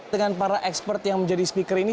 dengan para expert yang menjadi speaker ini